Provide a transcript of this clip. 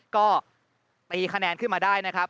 ก็ตีคะแนนขึ้นมาได้นะครับ